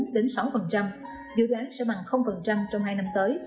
dự đoán sẽ bằng trong hai năm tới